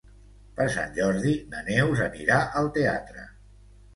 Per Sant Jordi na Neus anirà al teatre.